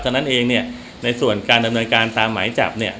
ซาวนั้นเองในส่วนการดำเนินการตามไม้จับ